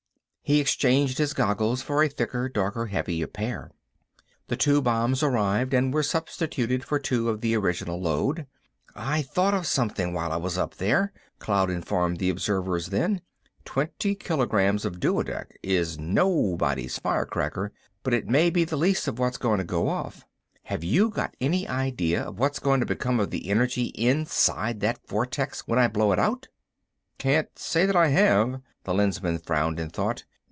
He exchanged his goggles for a thicker, darker, heavier pair. The two bombs arrived and were substituted for two of the original load. "I thought of something while I was up there," Cloud informed the observers then. "Twenty kilograms of duodec is nobody's firecracker, but it may be the least of what's going to go off. Have you got any idea of what's going to become of the energy inside that vortex when I blow it out?" "Can't say that I have." The Lensman frowned in thought.